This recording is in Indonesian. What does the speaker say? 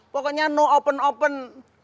pokoknya no open open